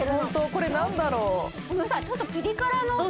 これ何だろう？